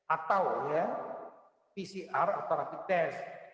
atau pcr atau rapid test